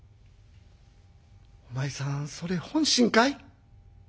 「お前さんそれ本心かい？